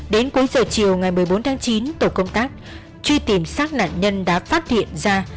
đến cuối giờ chiều ngày một mươi bốn tháng chín tổ công tác truy tìm xác nạn nhân đã phát hiện ra